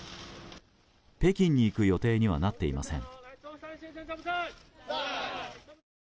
北京に行く予定にはなっていません。